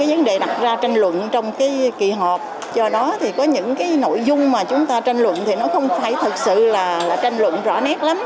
vấn đề đặt ra tranh luận trong kỳ họp do đó thì có những cái nội dung mà chúng ta tranh luận thì nó không phải thật sự là tranh luận rõ nét lắm